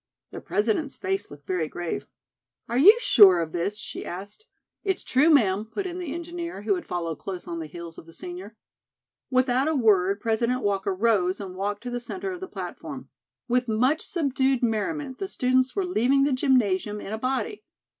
The President's face looked very grave. "Are you sure of this?" she asked. "It's true, ma'am," put in the engineer, who had followed close on the heels of the senior. Without a word, President Walker rose and walked to the centre of the platform. With much subdued merriment the students were leaving the gymnasium in a body.